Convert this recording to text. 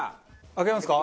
開けますか？